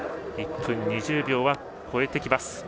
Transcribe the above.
１分２０秒は超えてきます。